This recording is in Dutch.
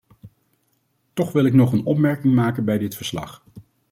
Toch wil ik nog een opmerking maken bij dit verslag.